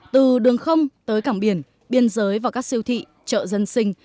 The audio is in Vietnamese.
từ đường không tới cảng biển biên giới và các siêu thị chợ dân sinh